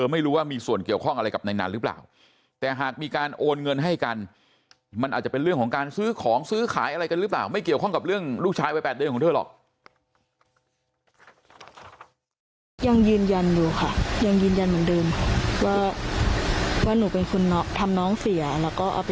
หรือเปล่าไม่เกี่ยวข้องกับเรื่องลูกชายไว้แปดเดินของเธอหรอก